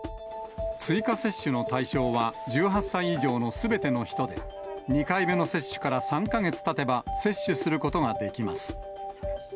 追加接種の対象は１８歳以上のすべての人で、２回目の接種から３か月たてば接種することができます。